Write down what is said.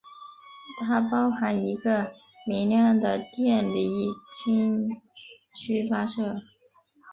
它包含一个明亮的电离氢区发射。